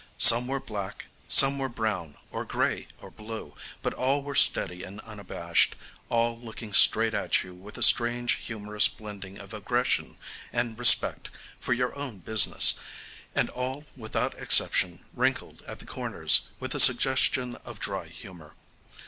Some were black, some were brown, or gray, or blue, but all were steady and unabashed, all looked straight at you with a strange humorous blending of aggression and respect for your own business, and all without exception wrinkled at the corners with a suggestion of dry humor.